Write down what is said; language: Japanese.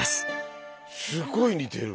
すごい似てる！